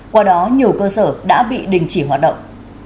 qua đó nhiều cơ sở đã bị đình chỉ hoạt động